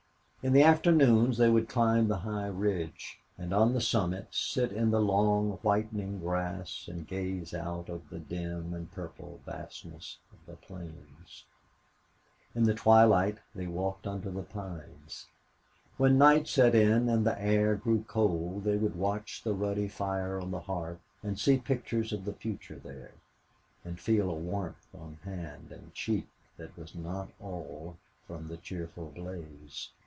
In the afternoons they would climb the high ridge, and on the summit sit in the long whitening grass and gaze out over the dim and purple vastness of the plains. In the twilight they walked under the pines. When night set in and the air grew cold they would watch the ruddy fire on the hearth and see pictures of the future there, and feel a warmth on hand and cheek that was not all from the cheerful blaze.